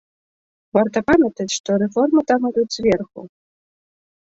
Варта памятаць, што рэформы там ідуць зверху.